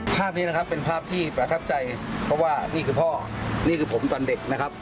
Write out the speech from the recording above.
ภาพนี้นะครับเป็นภาพที่ประทับใจเพราะว่านี่คือพ่อนี่คือผมตอนเด็กนะครับ